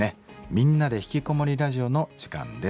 「みんなでひきこもりラジオ」の時間です。